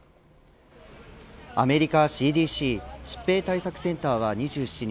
アメリカＣＤＣ疾病対策センターは２７日